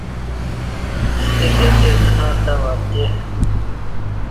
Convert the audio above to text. ستہ گہ تئے زنار تہ وپتئے۔